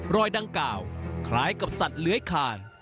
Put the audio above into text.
รอยดังกล่าวคล้ายกับสัตว์เลื้อยคาน